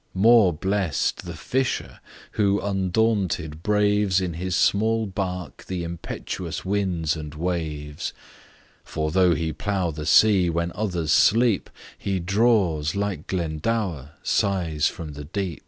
More bless'd the fisher, who undaunted braves In his small bark, the impetuous winds and waves; For though he plough the sea when others sleep, He draws, like Glendower, spirits from the deep.